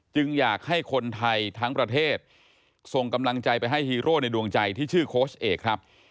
อยากให้คนไทยทั้งประเทศส่งกำลังใจไปให้ฮีโร่ในดวงใจที่ชื่อโค้ชเอกครับ